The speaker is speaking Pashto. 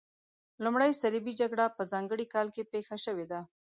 لومړۍ صلیبي جګړه په ځانګړي کال کې پیښه شوې ده.